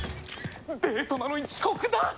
デートなのに遅刻だ！